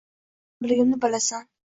Mening borligimni bilasan…